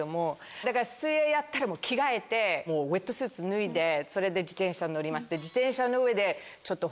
だから水泳やったら着替えてウエットスーツ脱いでそれで自転車に乗ります。